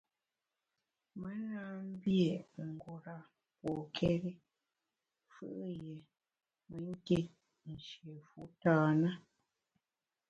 Me na mbié’ ngura pôkéri fù’ yié me nkit nshié fu tâ na.